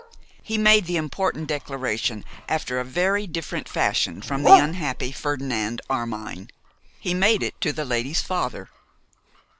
He made the important declaration after a very different fashion from the unhappy Ferdinand Armine: he made it to the lady's father.